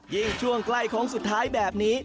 ยิ่งช่วงใกล้โค้งสุดท้ายแบบนี้